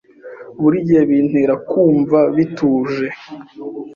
Burigihe bintera kumva bituje.